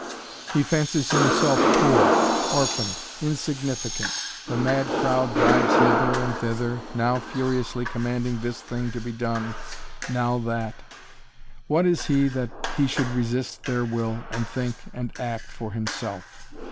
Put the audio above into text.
He fancies himself poor, orphaned, insignificant. The mad crowd drives hither and thither, now furiously commanding this thing to be done, now that. What is he that he should resist their will and think and act for himself?